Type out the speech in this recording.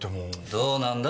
どうなんだ？